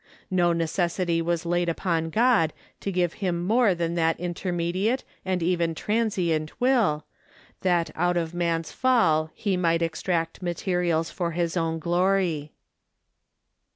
No necessity was laid upon God to give him more than that intermediate and even transient will, that out of man's fall he might extract materials for his own glory.